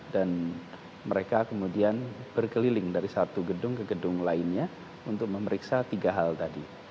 dan mereka kemudian berkeliling dari satu gedung ke gedung lainnya untuk memeriksa tiga hal tadi